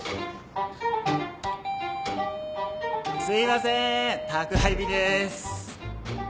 すいません。